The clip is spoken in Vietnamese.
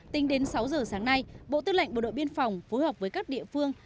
tính đến sáu giờ sáng nay bộ tư lệnh bộ đội biên phòng phối hợp với các địa phương